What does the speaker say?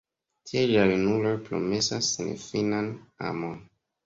Tie la junuloj promesas senfinan amon.